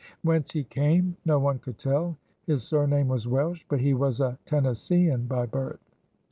Whence he came, no one could tell. His surname was Welsh, but he was a Tennesseean by birth.